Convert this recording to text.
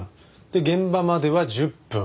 現場までは１０分。